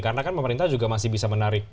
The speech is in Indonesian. karena kan pemerintah juga masih bisa menarik